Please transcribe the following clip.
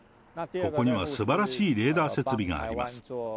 ここにはすばらしいレーダー設備があります。